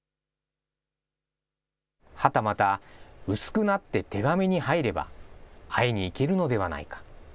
はたまた、薄くなって手紙に入れば、会いに行けるのではないか。